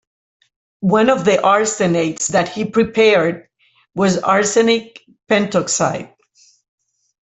One of the arsenates that he prepared, was arsenic pentoxide.